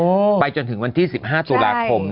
ค่าน้ำปรับปลาไปจนถึงวันที่๑๕ตุลาคม